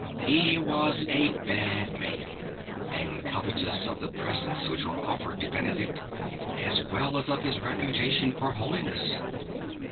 He was a bad man, and covetous of the presents which were offered to Benedict, as well as of his reputation for ST. BENEDICT 49 holiness.